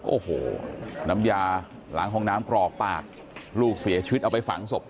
โอ้โหน้ำยาหลังห้องน้ำกรอกปากลูกเสียชีวิตเอาไปฝังศพ